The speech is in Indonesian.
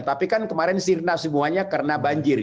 tapi kan kemarin sirna semuanya karena banjir